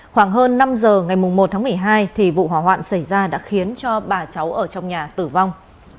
khoảng hơn năm giờ ngày một tháng một mươi hai vụ hỏa hoạn xảy ra đã khiến cho bà cháu ở trong nhà tử vong